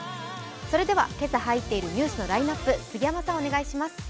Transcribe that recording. それでは今朝入っているニュースのラインナップ、杉山さん、お願いします。